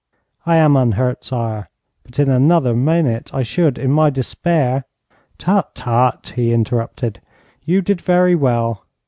'I am unhurt, sire. But in another minute I should in my despair ' 'Tut, tut!' he interrupted. 'You did very well.